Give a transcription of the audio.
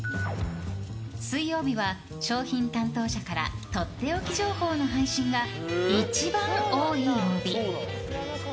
水曜日は商品担当者からとっておき情報の配信が一番多い曜日。